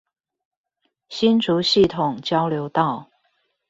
新竹系統交流道